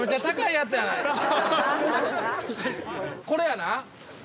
これやな。